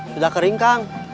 sudah kering kang